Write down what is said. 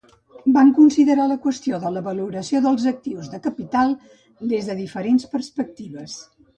Van considerar la qüestió de la valoració dels actius de capital des de diferents perspectives.